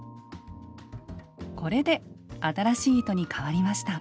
これで新しい糸にかわりました。